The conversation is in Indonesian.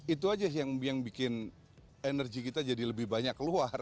itu aja yang bikin energi kita jadi lebih banyak keluar